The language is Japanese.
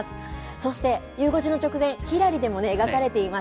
そして、ゆう５時の直前、ひらりでも描かれています